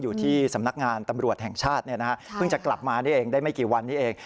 อยู่ที่สำนักงานตำรวจแห่งชาติเพิ่งจะกลับมานี่เองได้ไม่กี่วันนี้เอง